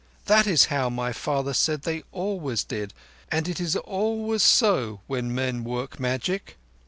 That is how my father said they always did; and it is always so when men work magic."